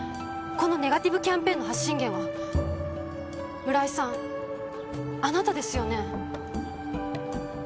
このネガティブキャンペーンの発信源は村井さんあなたですよね？